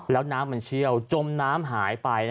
แล้วน้ำมันเชี่ยวจมน้ำหายไป